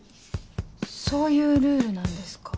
そういうルールなんですか？